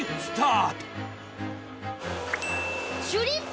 シュリンプ！